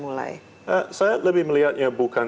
mulai saya lebih melihatnya bukan